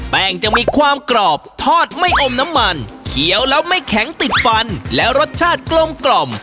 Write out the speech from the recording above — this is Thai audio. แป้งจะมีความกรอบทอดไม่อมน้ำมันเขียวแล้วไม่แข็งติดฟันและรสชาติกลมกล่อม